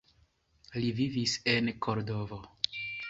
Li vivis en Kordovo.